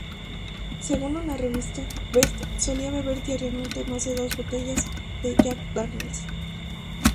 Según una revista, Bert solía beber diariamente más dos botellas de Jack Daniels.